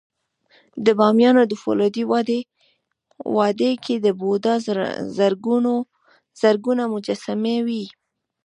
د بامیانو د فولادي وادي کې د بودا زرګونه مجسمې وې